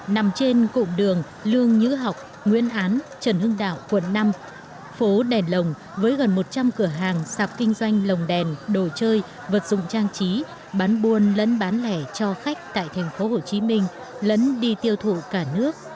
nằm trên cụm đường lương nhữ học nguyễn án trần hưng đạo quận năm phố đèn lồng với gần một trăm linh cửa hàng sạp kinh doanh lồng đèn đồ chơi vật dụng trang trí bán buôn lấn bán lẻ cho khách tại thành phố hồ chí minh lấn đi tiêu thụ cả nước